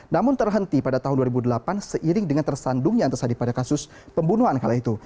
namun terhenti pada tahun dua ribu delapan seiring dengan tersandungnya antasari pada kasus pembunuhan kala itu